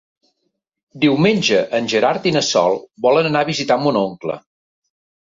Diumenge en Gerard i na Sol volen anar a visitar mon oncle.